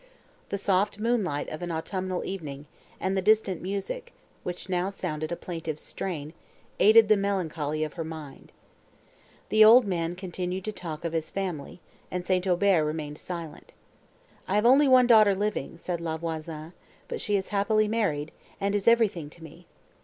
The soft moonlight of an autumnal evening, and the distant music, which now sounded a plaintive strain, aided the melancholy of her mind. The old man continued to talk of his family, and St. Aubert remained silent. "I have only one daughter living," said La Voisin, "but she is happily married, and is everything to me.